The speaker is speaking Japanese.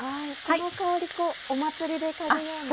この香りお祭りで嗅ぐような。